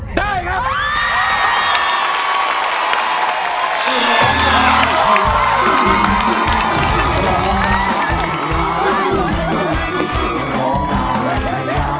สุดท้ายสุดท้าย